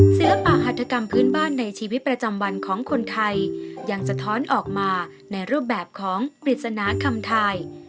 ศิลปหัฐกรรมพื้นบ้านในชีวิตประจำวันของคนไทยยังสะท้อนออกมาในรูปแบบของปริศนาคำทาย